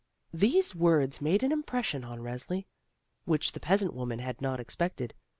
These words made an impression on Resli, which the peasant woman had not expected.